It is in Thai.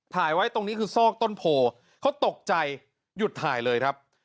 ถ่ายไว้ตรงนี้คือซอกต้นโพเขาตกใจหยุดถ่ายเลยครับ